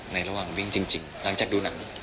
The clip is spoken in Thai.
ระหว่างวิ่งจริงหลังจากดูหนัง